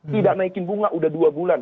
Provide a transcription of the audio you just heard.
tidak naikin bunga udah dua bulan